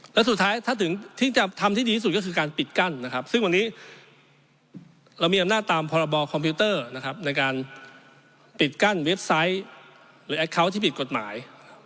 และสุดท้ายถ้าถึงที่จะทำที่ดีสุดก็คือการปิดกั้นซึ่งวันนี้เรามีอำนาจตามพลคมในการปิดกั้นเว็บไซต์หรือแอคเคาน์ที่ปิดกฎหมาย